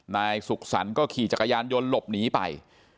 นายสุขสรรค์ก็ขี่จักรยานยนต์หลบหนีไป